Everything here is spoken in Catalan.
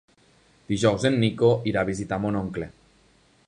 Dijous en Nico irà a visitar mon oncle.